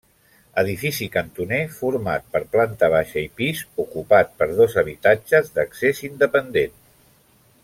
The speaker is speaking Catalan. Edifici cantoner, format per planta baixa i pis, ocupat per dos habitatges d'accés independent.